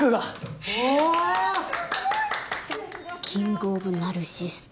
キングオブナルシスト